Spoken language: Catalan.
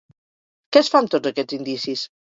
Què es fa amb tots aquests indicis?